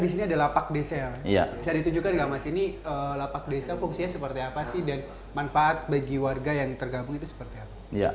di sini ada lapak desa bisa ditunjukkan nggak mas ini lapak desa fungsinya seperti apa sih dan manfaat bagi warga yang tergabung itu seperti apa